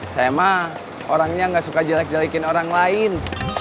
saya mah orangnya gak suka jelek jelekin orang lain